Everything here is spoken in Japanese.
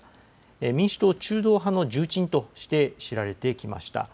民主党中道派の重鎮として知られてきました。